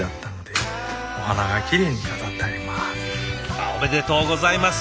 あっおめでとうございます。